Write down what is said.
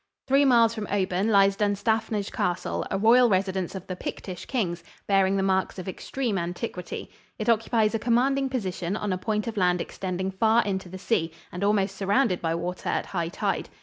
Three miles from Oban lies Dunstafnage Castle, a royal residence of the Pictish kings, bearing the marks of extreme antiquity. It occupies a commanding position on a point of land extending far into the sea and almost surrounded by water at high tide.